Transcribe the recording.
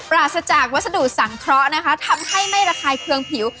ราศจากวัสดุสังเคราะห์นะคะทำให้ไม่ระคายเคืองผิว